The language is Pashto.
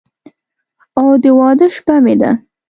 او د واده شپه مې ده